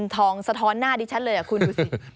ทองสะท้อนหน้าดิฉันเลยคุณดูสิ